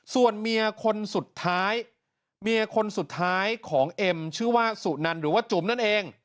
ส่วนเมียคนสุดท้ายของเอ็มชื่อว่าสุนันหรือว่าจุ๋มนั่นเอง